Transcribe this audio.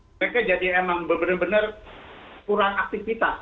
mereka jadi emang benar benar kurang aktivitas